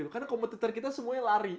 karena kompetitor kita semuanya lari